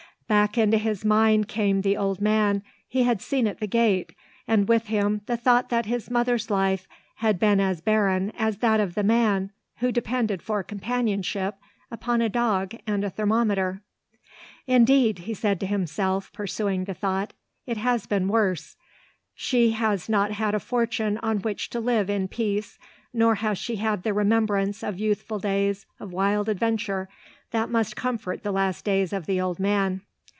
Back into his mind came the old man he had seen at the gate and with him the thought that his mother's life had been as barren as that of the man who depended for companionship upon a dog and a thermometer. "Indeed," he said to himself, pursuing the thought, "it has been worse. She has not had a fortune on which to live in peace nor has she had the remembrance of youthful days of wild adventure that must comfort the last days of the old man.